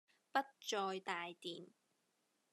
不再帶電